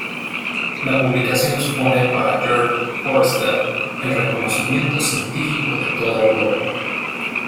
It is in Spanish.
La publicación supone para Georg Forster el reconocimiento científico de toda Europa.